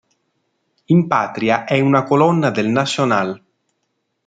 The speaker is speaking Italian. In patria è una colonna del Nacional.